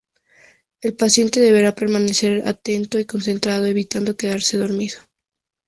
El paciente deberá permanecer atento y concentrado evitando quedarse dormido.